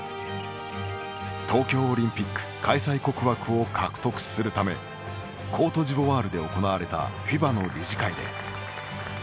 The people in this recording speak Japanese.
東京オリンピック開催国枠を獲得するためコートジボワールで行われたＦＩＢＡの理事会で。